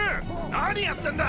何やってんだ！